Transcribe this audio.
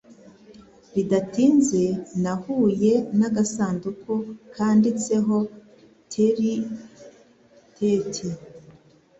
Bidatinze nahuye nagasanduku kanditseho Terry Tate.